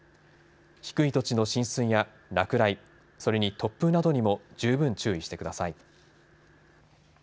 低い土地の浸水や落雷、それに突風などにも十分注意してください。